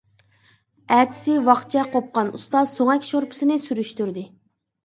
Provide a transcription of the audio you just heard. ئەتىسى ۋاقچە قوپقان ئۇستا سۆڭەك شورپىسىنى سۈرۈشتۈردى.